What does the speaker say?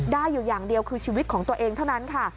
ได้อยู่อย่างเดียวคือชีวิตของตัวเองเท่านั้นค่ะ